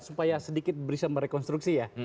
supaya sedikit bisa merekonstruksi ya